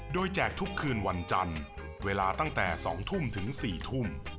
โดยแจกทุกคืนวันจันทร์เวลาตั้งแต่๒ทุ่มถึง๔ทุ่ม